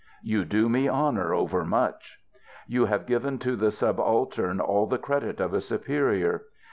You do me honour over much. You have given to the subaltern all the credit of a superior.